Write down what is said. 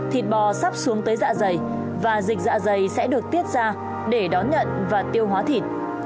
thịt bò sắp xuống tới dạ dày và dịch dạ dày sẽ được tiết ra để đón nhận và tiêu hóa thịt